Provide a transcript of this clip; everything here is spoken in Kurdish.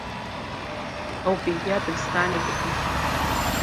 Ew bêriya dibistanê dikin.